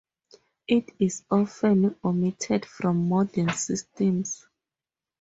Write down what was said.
It is often omitted from modern systems.